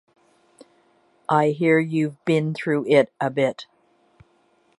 I hear you've been through it a bit.